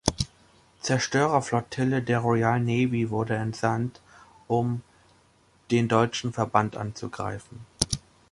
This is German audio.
Zerstörerflottille der Royal Navy wurde entsandt, um den deutschen Verband anzugreifen.